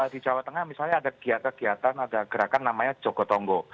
di jawa tengah misalnya ada kegiatan kegiatan ada gerakan namanya jogotongo